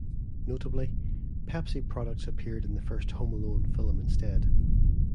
Notably, Pepsi products appeared in the first "Home Alone" film instead.